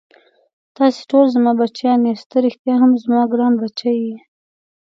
تاسې ټوله زما بچیان یاست، ته ريښتا هم زما ګران بچی یې.